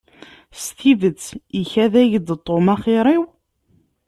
S tidet ikad-ak-d Tom axir-iw?